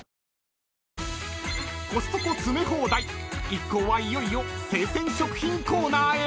［一行はいよいよ生鮮食品コーナーへ］